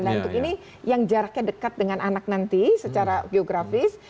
dan untuk ini yang jaraknya dekat dengan anak nanti secara geografis